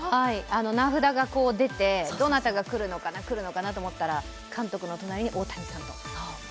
名札が出て、どなたが来るのかな来るのかなと思ったら監督の隣に大谷さんだった。